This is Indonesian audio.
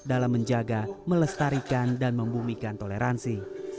dalam menjaga melestarikan dan membumikan toleransi